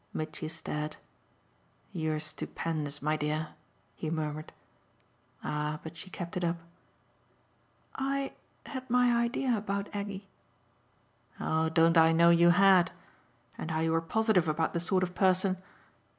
Mitchy stared. "You're stupendous, my dear!" he murmured. Ah but she kept it up. "I had my idea about Aggie." "Oh don't I know you had? And how you were positive about the sort of person